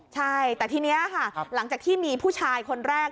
ใช่แต่ทีนี้ค่ะหลังจากที่มีผู้ชายคนแรก